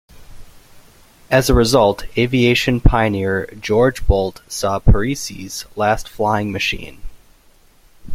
As a result, aviation pioneer George Bolt saw Pearse's last flying machine.